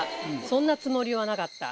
「そんなつもりはなかった」。